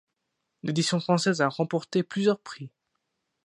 L’édition française a remporté plusieurs prix.